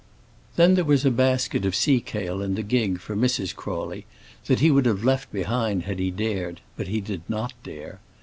Then there was a basket of seakale in the gig for Mrs. Crawley; that he would have left behind had he dared, but he did not dare.